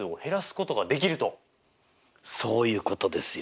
そういうことですよ！